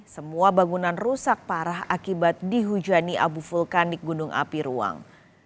semua bangunan rusak parah akibat dihujani abu vulkanik gunung api ruang